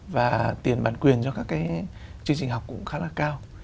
và tiền bản quyền cho các cái chương trình học cũng khá là cao